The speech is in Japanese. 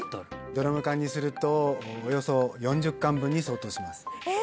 ドラム缶にするとおよそ４０缶分に相当しますえ！？